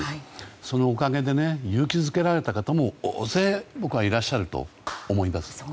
そのおかげで勇気づけられた方も大勢いらっしゃると僕は思います。